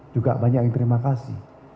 juga banyak yang terima kasih